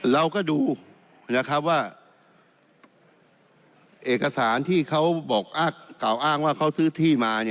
เราก็ดูนะครับว่าเอกสารที่เขากล่าวอ้างว่าเขาซื้อที่มา